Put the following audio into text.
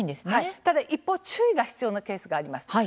ただ一方注意が必要なケースがあります。